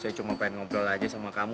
saya cuma pengen ngobrol aja sama kamu